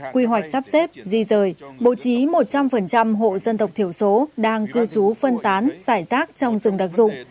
quy hoạch sắp xếp di rời bố trí một trăm linh hộ dân tộc thiểu số đang cư trú phân tán giải rác trong rừng đặc dụng